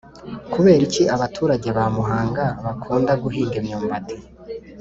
Kubera iki abaturage ba muhanga bakunda guhinga imyumbati